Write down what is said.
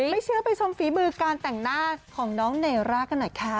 ไม่เชื่อไปชมฝีมือการแต่งหน้าของน้องเนร่ากันหน่อยค่ะ